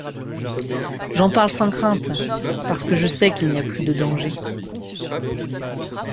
J'en parle sans crainte, parce que je sais qu'il n'y a plus de danger.